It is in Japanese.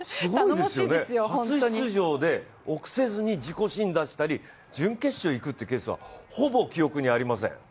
初出場で臆せずに自己新出したり準決勝へ行くというケースはほぼ記録にありません。